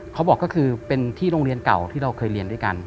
เขาบอกก็คือเป็นที่โรงเรียนเก่าที่เราเคยเรียนด้วยกัน